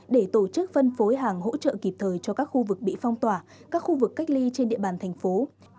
để tổ chức phân phối hàng hỗ trợ kịp thời cho các khu vực bị phong tỏa các khu vực cách ly trên địa bàn thành phố